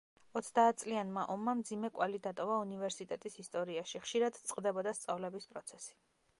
ოცდაათწლიანმა ომმა მძიმე კვალი დატოვა უნივერსიტეტის ისტორიაში, ხშირად წყდებოდა სწავლების პროცესი.